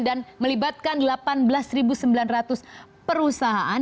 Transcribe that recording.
dan melibatkan delapan belas sembilan ratus perusahaan